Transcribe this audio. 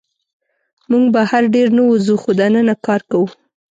موږ بهر ډېر نه وځو، خو دننه کار کوو.